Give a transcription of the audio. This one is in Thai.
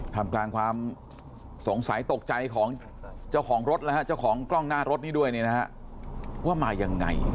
ทำกลางความสงสัยตกใจของเจ้าของรถนะฮะเจ้าของกล้องหน้ารถนี้ด้วยเนี่ยนะฮะว่ามายังไง